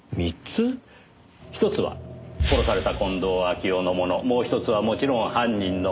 ひとつは殺された近藤秋夫のものもうひとつはもちろん犯人のもの。